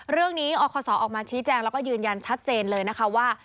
เรื่องนี้ออกข้อสอออกมาชี้แจ้งแล้วก็ยืนยันชัดเจนเลยนะคะว่า